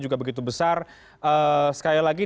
juga begitu besar sekali lagi